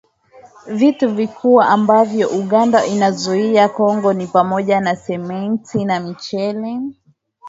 Vitu vikuu ambavyo Uganda inaiuzia Kongo ni pamoja Simenti na mchele